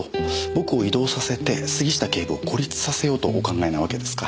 僕を異動させて杉下警部を孤立させようとお考えなわけですか。